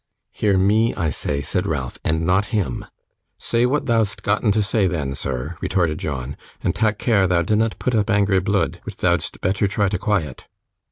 'Hear me, I say,' said Ralph, 'and not him.' 'Say what thou'st gotten to say then, sir,' retorted John; 'and tak' care thou dinnot put up angry bluid which thou'dst betther try to quiet.